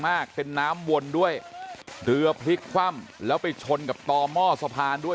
มากเป็นน้ำวนด้วยเรือพลิกคว่ำแล้วไปชนกับต่อหม้อสะพานด้วย